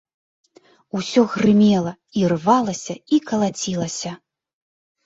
Усё грымела, ірвалася і калацілася.